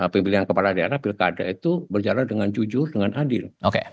pemilihan kepala daerah pilkada itu berjalan dengan jujur dengan adil